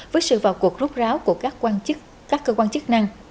với sự vào cuộc rút ráo của các cơ quan chức năng